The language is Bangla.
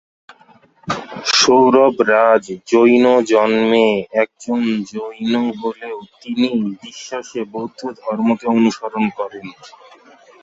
সৌরভ রাজ জৈন জন্মে একজন জৈন হলেও তিনি বিশ্বাসে বৌদ্ধ ধর্মকে অনুসরণ করেন।